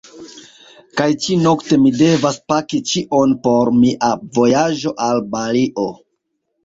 Kaj ĉi-nokte mi devas paki ĉion por mia vojaĝo al Balio.